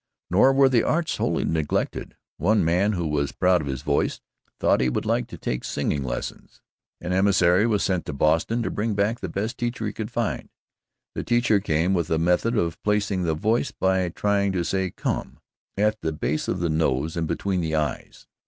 Nor were the arts wholly neglected. One man, who was proud of his voice, thought he would like to take singing lessons. An emissary was sent to Boston to bring back the best teacher he could find. The teacher came with a method of placing the voice by trying to say "Come!" at the base of the nose and between the eyes.